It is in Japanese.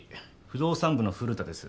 不動産部の古田です。